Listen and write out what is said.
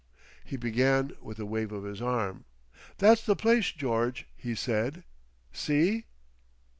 He began with a wave of his arm. "That's the place, George," he said. "See?"